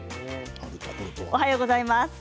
おはようございます。